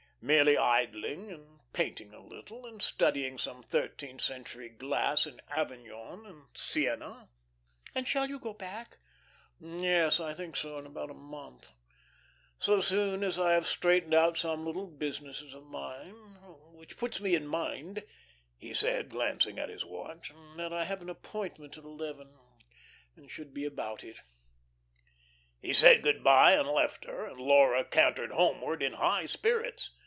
Merely idling, and painting a little, and studying some thirteenth century glass in Avignon and Sienna." "And shall you go back?" "Yes, I think so, in about a month. So soon as I have straightened out some little businesses of mine which puts me in mind," he said, glancing at his watch, "that I have an appointment at eleven, and should be about it." He said good by and left her, and Laura cantered homeward in high spirits.